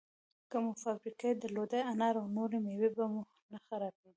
که مو فابریکې درلودی، انار او نورې مېوې به مو نه خرابېدې!